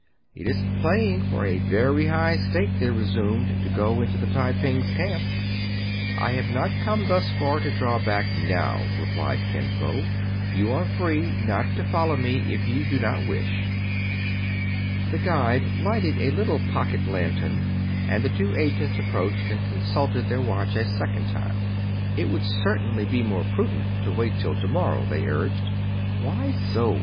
" It is playing for a very high stake," they re sumed, "to go into the Tai ping*s camp." " I have not come thus far to draw back now," replied Kin Fo. You are free not to follow me if you do not wish." The guide lighted a little pocket lantern, and the " two agents approached, and consulted their watch a second time. i'lt would certainly be more prudent to wait till to morrow," they urged. " Why so